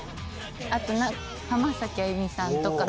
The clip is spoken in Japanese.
あと浜崎あゆみさんとか。